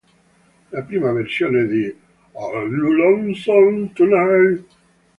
La prima versione di "Are You Lonesome Tonight?